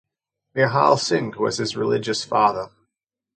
Nihal Singh was his religious father.